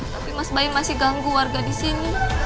tapi mas baim masih ganggu warga disini